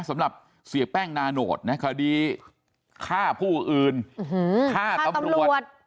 สำหรับเสียแป้งนาโนตนะคดีฆ่าผู้อื่นฆ่าตำรวจ